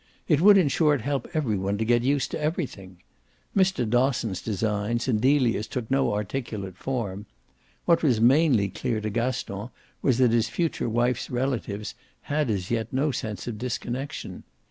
It would in short help every one to get used to everything. Mr. Dosson's designs and Delia's took no articulate form; what was mainly clear to Gaston was that his future wife's relatives had as yet no sense of disconnexion.